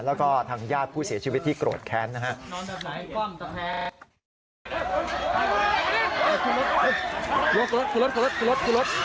แล้วก็ทางญาติผู้เสียชีวิตที่โกรธแค้นนะครับ